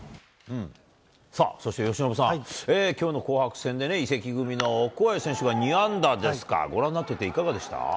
さあ、そして由伸さん、きょうの紅白戦でね、移籍組のオコエ選手が２安打ですか、ご覧になってていかがでした？